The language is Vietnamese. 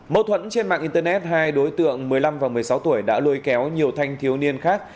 mâu thuẫn trên mạng internet hai đối tượng một mươi năm và một mươi sáu tuổi đã lôi kéo nhiều thanh thiếu niên khác